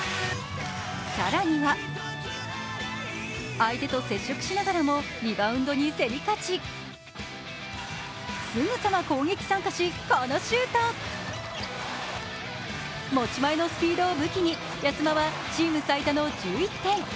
更には、相手と接触しながらもリバウンドに競り勝ち、すぐさま攻撃参加し、このシュート持ち前のスピードを武器に安間はチーム最多の１１点。